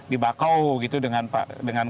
di bakau gitu dengan